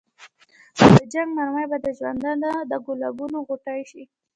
نو د جنګ مرمۍ به د ژوندانه د ګلابونو غوټۍ شي.